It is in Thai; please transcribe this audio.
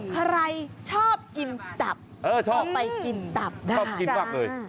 ใครชอบกินตับชอบไปกินตับได้ชอบกินมากเลย